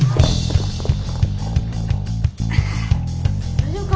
大丈夫か？